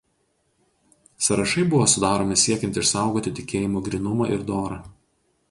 Sąrašai buvo sudaromi siekiant išsaugoti tikėjimo grynumą ir dorą.